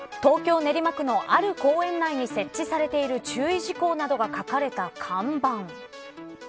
練馬区のある公園内に設置されている注意事項などが書かれた看板。